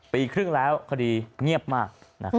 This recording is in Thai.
ปีครึ่งแล้วคดีเงียบมาก